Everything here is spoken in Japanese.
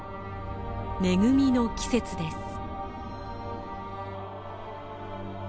恵みの季節です。